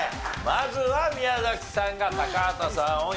まずは宮崎さんが高畑さんを破りました。